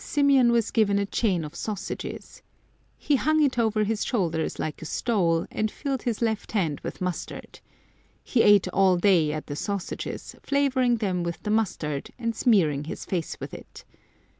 One Lord's Day, Symeon was given a chain of sausages.^ He hung it over his shoulders like a stole, and filled his left hand with mustard. He ate all day at the sausages, flavouring them with the mustard, and smearing his face with it.